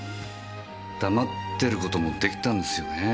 黙ってる事もできたんですよねぇ。